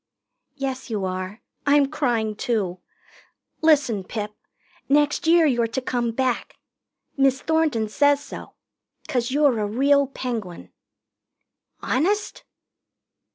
"Yes, you are. I'm crying, too. Listen, Pip. Next year you're to come back. Miss Thornton says so. 'Cause you're a real Penguin." "Honest?"